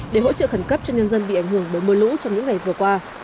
để hỗ trợ khẩn cấp cho nhân dân bị ảnh hưởng bởi mưa lũ trong những ngày vừa qua